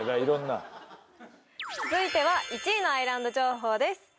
色んな続いては１位のアイランド情報です